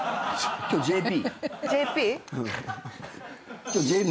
今日ＪＰ。